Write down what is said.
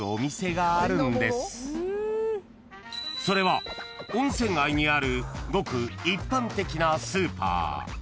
［それは温泉街にあるごく一般的なスーパー］